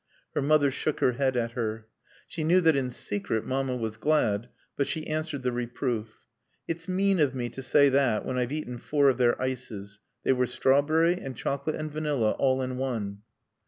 Her mother shook her head at her. She knew that in secret Mamma was glad; but she answered the reproof. "It's mean of me to say that when I've eaten four of their ices. They were strawberry, and chocolate and vanilla, all in one."